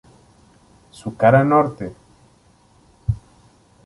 Su cara norte¿?